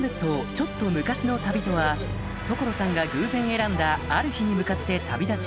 ちょっと昔の旅とは所さんが偶然選んだある日に向かって旅立ち